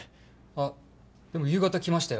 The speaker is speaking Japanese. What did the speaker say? あっでも夕方来ましたよ。